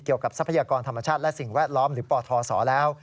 ทรัพยากรธรรมชาติและสิ่งแวดล้อมหรือปทศแล้ว